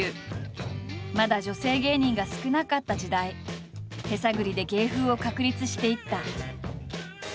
まだ女性芸人が少なかった時代手探りで芸風を確立していった。